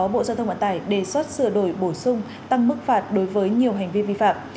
bổ sung tăng mức phạt đối với nhiều hành vi vi phạm